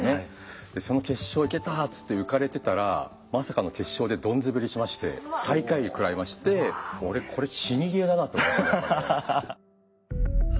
その決勝行けたっつって浮かれてたらまさかの決勝でドン滑りしまして最下位を食らいましてもう俺これ死にゲーだなと思いましたねやっぱね。